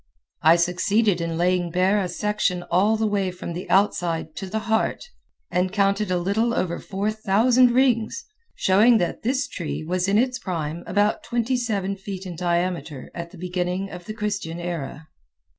I succeeded in laying bare a section all the way from the outside to the heart and counted a little over four thousand rings, showing that this tree was in its prime about twenty seven feet in diameter at the beginning of the Christian era.